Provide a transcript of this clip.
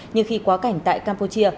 như khi quá cảnh tại campuchia